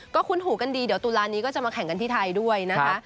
ก็คุ้นหูกันดีเดี๋ยวตุลานี้ก็จะมาแข่งกันที่ไทยด้วยนะคะ